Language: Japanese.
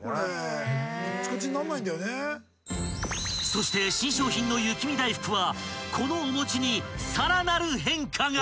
［そして新商品の雪見だいふくはこのお餅にさらなる変化が！］